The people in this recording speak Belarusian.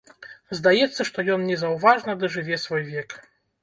Здаецца, што ён незаўважна дажыве свой век.